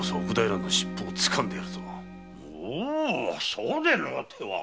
そうでのうては。